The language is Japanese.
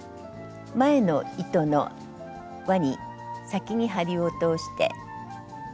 前の糸のわに先に針を通して。